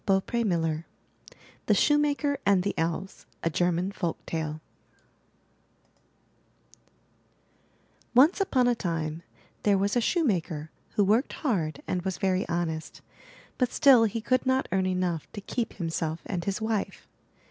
345 MY BOOK HOUSE THE SHOEMAKER AND THE ELVES A German Folk Tale Once upon a time there was a shoemaker who worked hard and was very honest; but still he could not earn enough to keep himself and his wife.